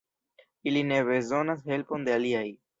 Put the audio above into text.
Ili ne bezonas helpon de aliaj.